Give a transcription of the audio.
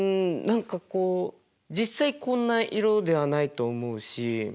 何かこう実際こんな色ではないと思うし。